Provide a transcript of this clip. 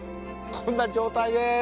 こんな状態でーす！